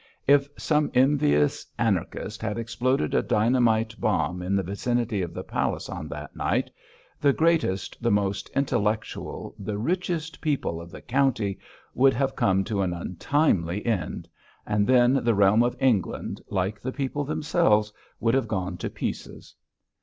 If some envious Anarchist had exploded a dynamite bomb in the vicinity of the palace on that night, the greatest, the most intellectual, the richest people of the county would have come to an untimely end, and then the realm of England, like the people themselves, would have gone to pieces.